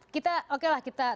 kita oke lah kita